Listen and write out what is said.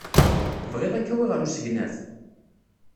Tebɣid ad k-awiɣ ɣer usegnaf?